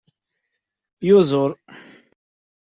Yuzur.